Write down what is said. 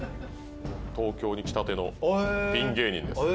東京に来たてのピン芸人です